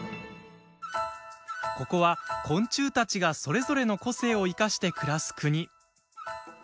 ここは、昆虫たちがそれぞれの個性を生かして暮らす国。